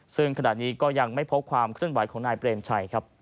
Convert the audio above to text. ซึ่งขณะนี้ก็ยังไม่พบความเคลื่อนไหวของนายเปรมชัยครับ